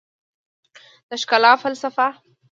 د ښکلا فلسفه